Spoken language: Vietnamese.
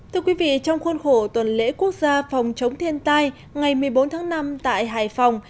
thưa quý vị trong khuôn khổ tuần lễ quốc gia phòng chống thiên tai ngày một mươi bốn tháng năm tại hải phòng